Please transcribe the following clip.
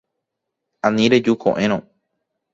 Ani reju ko'ẽrõ.